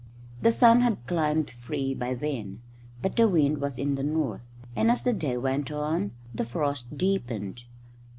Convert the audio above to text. The sun had climbed free by then, but the wind was in the north, and as the day went on the frost deepened.